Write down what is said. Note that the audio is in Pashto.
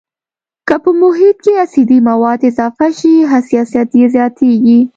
که په محیط کې اسیدي مواد اضافه شي حساسیت یې زیاتیږي.